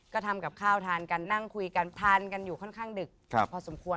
ก็ทำกับข้าวทานกันนั่งคุยกันทานกันอยู่ค่อนข้างดึกพอสมควร